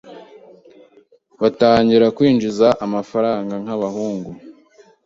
batangira kwinjiza amafaranga nk’abahungu,